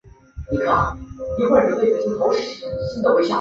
廪贡出身。